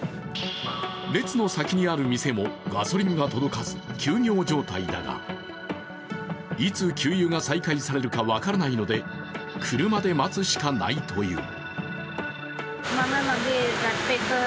列の先にある店もガソリンが届かず、休業状態だが、いつ給油が再開されるか分からないので車で待つしかないという。